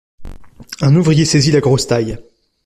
Un ouvrier saisit la grosse taille.